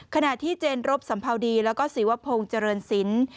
ขณะที่เจนรบสัมภาวดีแล้วก็ศิวพงศ์เจริญศิลป์